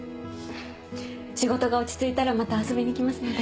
仕事が落ち着いたらまた遊びに来ますので。